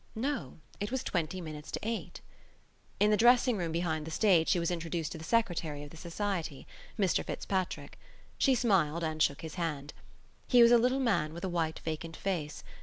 No, it was twenty minutes to eight. In the dressing room behind the stage she was introduced to the secretary of the Society, Mr Fitzpatrick. She smiled and shook his hand. He was a little man, with a white vacant face.